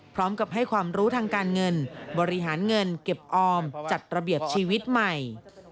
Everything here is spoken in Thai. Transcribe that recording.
พร้อมกับให้ความรู้ทางการเงินบริหารเงินเก็บออมจัดระเบียบชีวิตใหม่